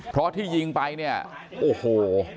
เพราะที่ยิงไปโอ้โห